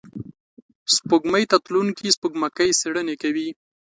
سپوږمۍ ته تلونکي سپوږمکۍ څېړنې کوي